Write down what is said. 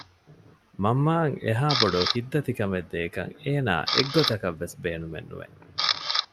މަންމައަށް އެހާ ބޮޑު ހިތްދަތިކަމެއް ދޭކަށް އޭނާ އެއްގޮތަކަށްވެސް ބޭނުމެއް ނުވެ